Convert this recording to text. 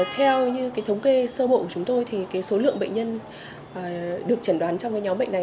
theo như thống kê sơ bộ của chúng tôi thì số lượng bệnh nhân được chẩn đoán trong nhóm bệnh này